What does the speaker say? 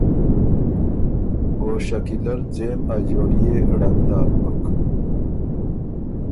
او شکیلۀ ل ځېم ا جوليې ړنګ داک بُک۔